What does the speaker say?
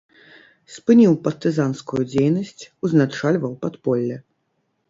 Спыніў партызанскую дзейнасць, узначальваў падполле.